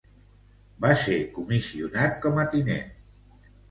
Va ser comissionat com a tinent.